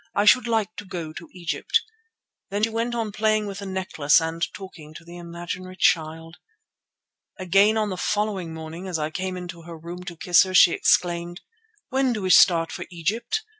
I should like to go to Egypt.' Then she went on playing with the necklace and talking to the imaginary child. "Again on the following morning as I came into her room to kiss her, she exclaimed, "'When do we start for Egypt?